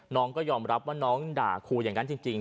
น้องก็ยอมรับว่าน้องด่าครูอย่างนั้นจริง